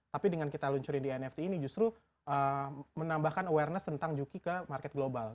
tapi dengan kita luncurin di nft ini justru menambahkan awareness tentang juki ke market global